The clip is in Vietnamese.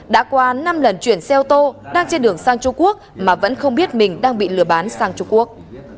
đã qua năm lần chuyển xe ô tô đang trên đường sang trung quốc mà vẫn không biết mình đang bị lừa bán sang trung quốc